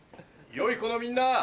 良い子のみんな！